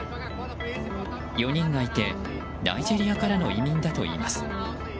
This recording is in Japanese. ４人がいて、ナイジェリアからの移民だといいます。